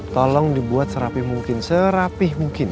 tolong dibuat serapih mungkin serapih mungkin